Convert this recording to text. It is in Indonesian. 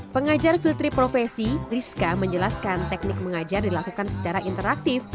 pengajar filtrep profesi rizka menjelaskan teknik mengajar dilakukan secara interaktif